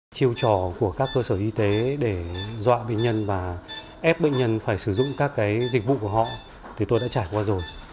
chiêu trò của các cơ sở y tế để dọa bệnh nhân và ép bệnh nhân phải sử dụng các dịch vụ của họ thì tôi đã trải qua rồi